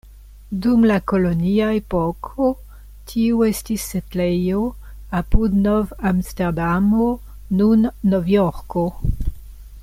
Dum la kolonia epoko tio estis setlejo apud Nov-Amsterdamo, nun Novjorko.